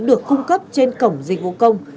được cung cấp trên cổng dịch vụ công